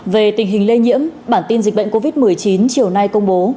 về tình hình lây nhiễm bản tin dịch bệnh covid một mươi chín chiều nay công bố